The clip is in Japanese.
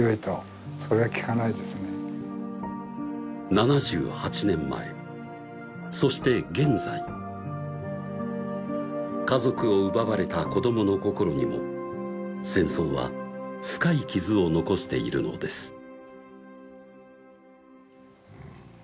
７８年前そして現在家族を奪われた子どもの心にも戦争は深い傷を残しているのですうん